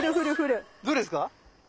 どれっすか？